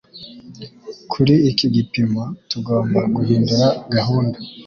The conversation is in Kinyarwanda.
Kuri iki gipimo, tugomba guhindura gahunda.